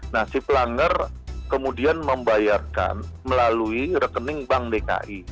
nah si pelanggar kemudian membayarkan melalui rekening bank dki